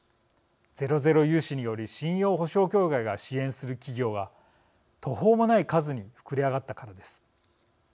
ゼロゼロ融資により信用保証協会が支援する企業は途方もない数に膨れ上がったからです。